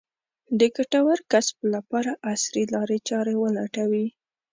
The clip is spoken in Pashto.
د ګټور کسب لپاره عصري لارې چارې ولټوي.